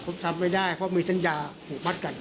ผมทำไม่ได้เพราะมีสัญญาผูกมัดกัน